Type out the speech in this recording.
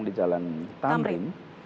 di jalan tamrin